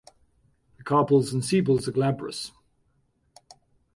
The carpels and sepals are glabrous.